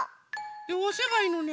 でおせばいいのね？